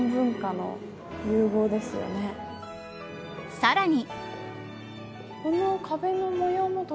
さらに。